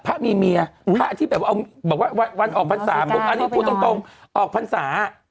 พระมีเมียพระที่แบบว่าเอาบอกว่าวันวันออกพรรษาออกพรรษา